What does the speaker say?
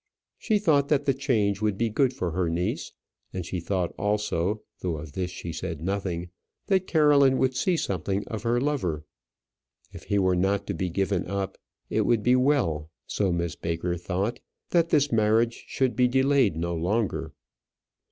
She thought that the change would be good for her niece, and she thought also, though of this she said nothing, that Caroline would see something of her lover. If he were not to be given up, it would be well so Miss Baker thought that this marriage should be delayed no longer.